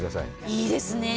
いいですねえ。